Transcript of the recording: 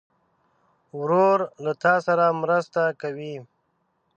ورور له تا سره مرسته کوي.